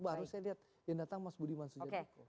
baru saya lihat yang datang mas budiman sujadiko